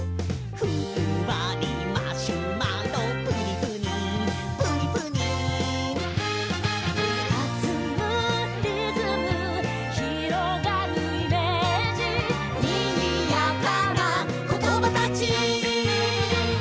「ふんわりマシュマロプニプニプニプニ」「はずむリズム」「広がるイメージ」「にぎやかなコトバたち」